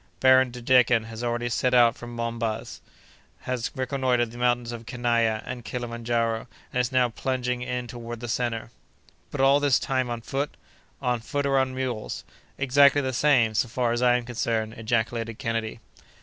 Baron de Decken has already set out from Monbaz, has reconnoitred the mountains of Kenaia and Kilimandjaro, and is now plunging in toward the centre." "But all this time on foot?" "On foot or on mules." "Exactly the same, so far as I am concerned," ejaculated Kennedy.